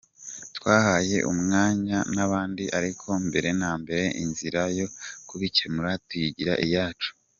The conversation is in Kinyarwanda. Twahaye umwanya n’abandi ariko mbere na mbere inzira yo kubikemura tuyigira iyacu.